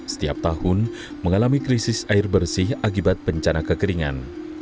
setiap tahun mengalami krisis air bersih akibat bencana kekeringan